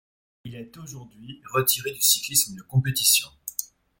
Il est, aujourd'hui, retiré du cyclisme de compétition.